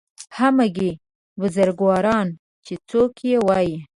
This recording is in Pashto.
همګي بزرګواران چې څوک یې وایي